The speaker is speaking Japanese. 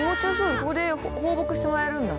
ここで放牧してもらえるんだ。